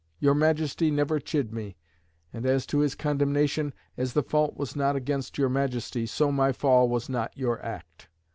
"Your Majesty never chid me;" and as to his condemnation, "as the fault was not against your Majesty, so my fall was not your act."